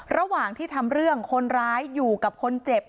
ระหว่างที่ทำเรื่องคนร้ายอยู่กับคนเจ็บ